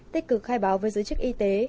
tích cực khai báo với giới chức y tế